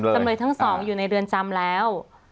จำเลยทั้งสองอยู่ในเรือนจำแล้ว